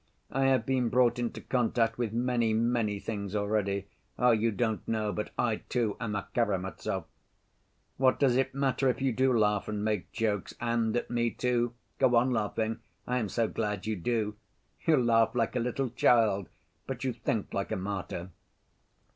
I have been brought into contact with many, many things already.... Ah, you don't know, but I, too, am a Karamazov. What does it matter if you do laugh and make jokes, and at me, too? Go on laughing. I am so glad you do. You laugh like a little child, but you think like a martyr."